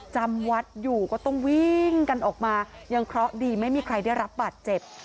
จำวัดอยู่ก็ต้องวิ่งกันออกมายังเคราะห์ดีไม่มีใครได้รับบาดเจ็บ